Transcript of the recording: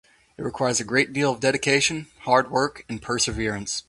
It requires a great deal of dedication, hard work, and perseverance.